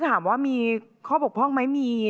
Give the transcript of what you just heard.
ถามว่ามีข้อบกพร่องไหมมี